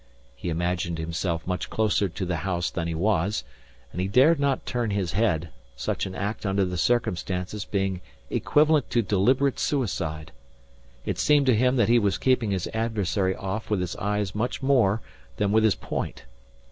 He imagined himself much closer to the house than he was; and he dared not turn his head, such an act under the circumstances being equivalent to deliberate suicide. It seemed to him that he was keeping his adversary off with his eyes much more than with his point.